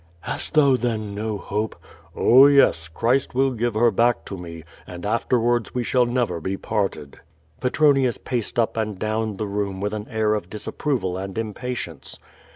"Hast thou then no hope?" "Oh, yes, Christ will give her back to me, and afterwards we shall never be parted!" Petronius paced up and down the room with an air of disapproval and impatience.